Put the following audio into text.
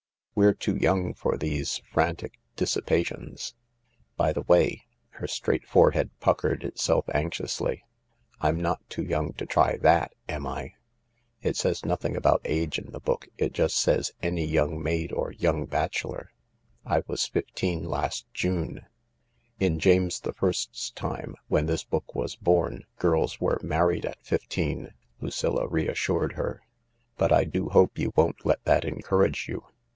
We're too young for these frantic dissi pations. By the way"— her straight forehead puckered itself anxiously—" I'm not too young to try that, am I ? It says nothing about age in the book. It just says 1 any young maid or young bachelor.' I was fifteen last June." " In James the First's time, when this book was born, girls were married at fifteen," Lucilla reassured her, " but I do hope you won't let that encourage you."